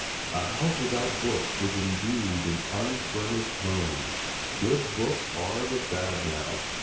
A house without books is indeed an unfurnished home. Good books are the fad now.